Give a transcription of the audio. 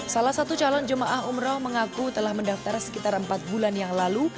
salah satu calon jemaah umroh mengaku telah mendaftar sekitar empat bulan yang lalu